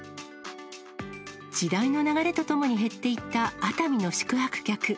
時代の流れとともに減っていった熱海の宿泊客。